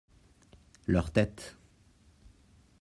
Leur tête.